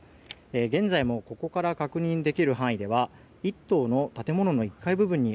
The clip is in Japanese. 現在もここから確認できる範囲では１棟の建物の１階部分に